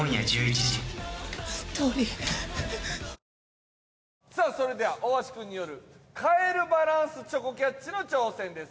わかるぞそれでは大橋くんによるカエルバランスチョコキャッチの挑戦です。